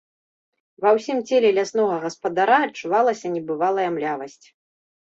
Ва ўсім целе ляснога гаспадара адчувалася небывалая млявасць.